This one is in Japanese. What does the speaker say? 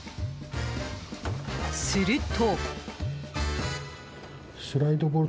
すると。